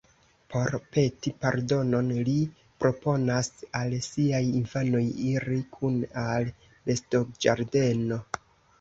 Por peti pardonon, ri proponas al siaj infanoj iri kune al bestoĝardeno.